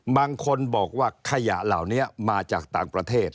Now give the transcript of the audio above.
บางคนบอกว่าขยะเหล่านี้มาจากต่างประเทศ